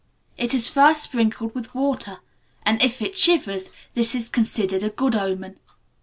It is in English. It is first sprinkled with water, and, if it shivers, this is considered a good omen.